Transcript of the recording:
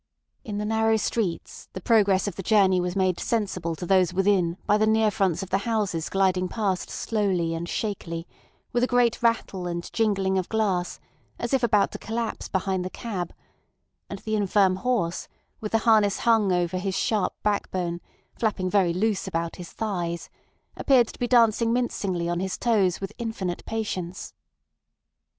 In the narrow streets the progress of the journey was made sensible to those within by the near fronts of the houses gliding past slowly and shakily, with a great rattle and jingling of glass, as if about to collapse behind the cab; and the infirm horse, with the harness hung over his sharp backbone flapping very loose about his thighs, appeared to be dancing mincingly on his toes with infinite patience.